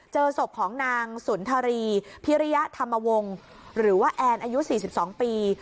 เจอศพของนางสุนทรีพิริยธรรมวงศ์หรือว่าแอนอายุ๔๒ปี